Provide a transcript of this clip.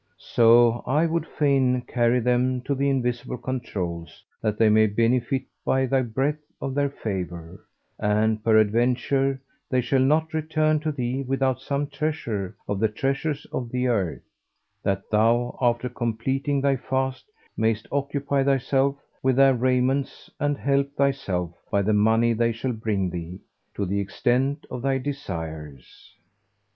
So I would fain carry them to the Invisible Controuls that they may benefit by the breath of their favour, and peradventure, they shall not return to thee without some treasure of the treasures of the earth, that thou, after completing thy fast, mayst occupy thyself with their raiment and help thyself by the money they shall bring thee, to the extent of thy desires.'